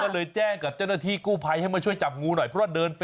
ตอนแรกก็จะจับอยู่น๊ะกดตัวไว้กดตัวไว้พอโผ่